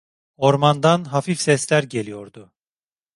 Ormandan hafif sesler geliyordu.